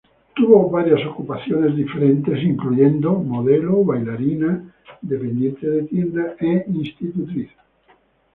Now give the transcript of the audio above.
Tuvo varias ocupaciones diferentes, incluyendo modelo, bailarina, dependiente de tienda e institutriz.